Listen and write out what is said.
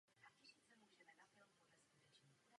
Obývá tropické deštné lesy v Jižní a Střední Americe.